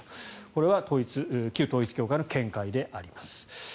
これは旧統一教会の見解であります。